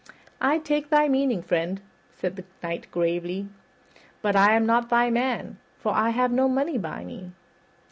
"I take thy meaning, friend," said the Knight gravely, "but I am not thy man, for I have no money by me."